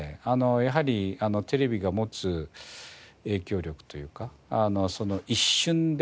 やはりテレビが持つ影響力というか。